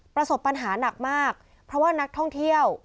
ประสบปัญหาหนักมากเพราะว่านักท่องเที่ยว